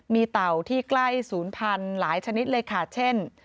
มีเต่าที่ใกล้ศูนย์พันธุ์หลายชนิดเลยค่ะเช่น